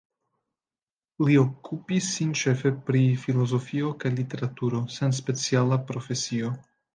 Li okupis sin ĉefe pri filozofio kaj literaturo, sen speciala profesio.